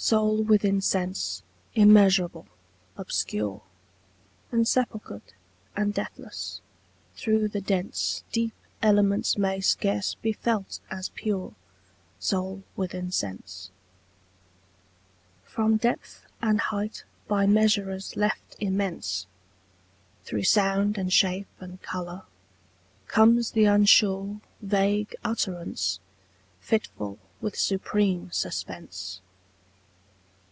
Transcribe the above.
SOUL within sense, immeasurable, obscure, Insepulchred and deathless, through the dense Deep elements may scarce be felt as pure Soul within sense. From depth and height by measurers left immense, Through sound and shape and colour, comes the unsure Vague utterance, fitful with supreme suspense.